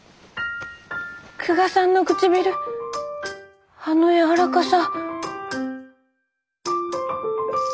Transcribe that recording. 久我さんの唇あの柔らかさ。